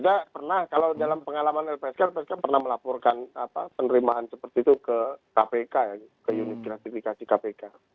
tidak pernah kalau dalam pengalaman lpsk lpsk pernah melaporkan penerimaan seperti itu ke kpk ya ke unit gratifikasi kpk